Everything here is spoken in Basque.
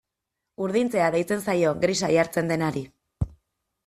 Urdintzea deitzen zaio grisa jartzen denari.